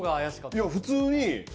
いや普通に。